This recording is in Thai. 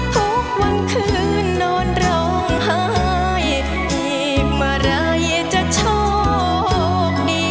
ทุกวันคืนนอนร้องไห้อีกเมื่อไหร่จะโชคดี